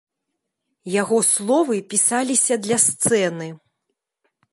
Яго словы пісаліся для сцэны.